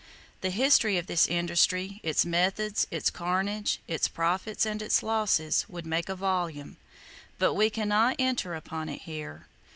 The history of this industry, its methods, its carnage, its profits and its losses would make a volume, but we can not enter upon it here.